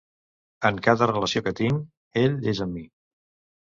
En cada relació que tinc, ell és amb mi.